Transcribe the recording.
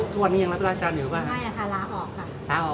ช่วงนั้นมีคนขายอยู่ในตัวโต๊ะอ่ะ